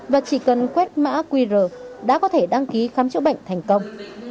và chỉ cần quét mã qr đã có thể đăng ký khám chữa bệnh thành công